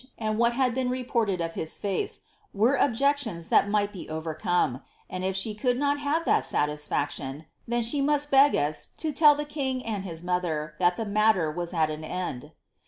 and what had been reported of his face, were objections that might be ove^ come, and if she could not have that satisfaction, then she must beg w lo tell the king and his mother, that the matter was at an end."